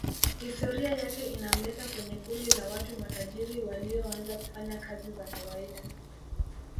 Historia yake inamleta kwenye kundi la watu matajiri walioanza kufanya kazi za kawaida